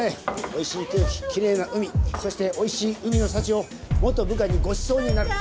おいしい空気奇麗な海そしておいしい海の幸を元部下にごちそうになる。